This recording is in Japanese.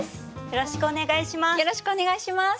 よろしくお願いします。